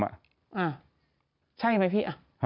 อ่ะใช่ไหมพี่